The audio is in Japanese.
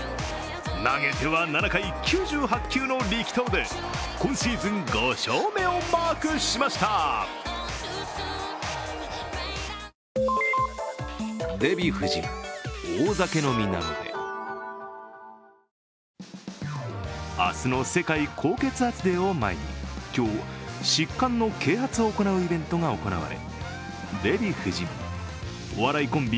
投げては７回９８球の力投で今シーズン５勝目をマークしました明日の世界高血圧デーを前に今日疾患の啓発を行うイベントが行われ、デヴィ夫人、お笑いコンビ